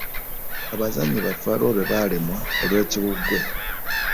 Abazannyi baffe waliwo bwe balemwa olwekiwuggwe.